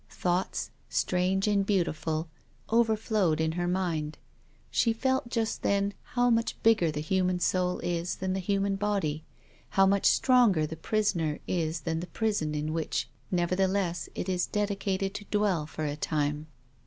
Thoughts, strange and beautiful, overflowed in her mind. She felt just then how much bigger the human soul is than the human body, how much stronger the prisoner is than the prison in which nevertheless it is dedicated to dwell for a time.